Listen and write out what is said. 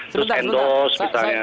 terus endos misalnya